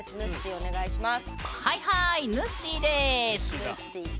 お願いします！